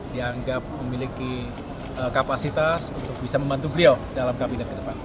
dianggap memiliki kapasitas untuk bisa membantu beliau dalam kabinet ke depan